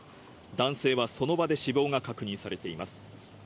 男性はその場で死亡が確認されています。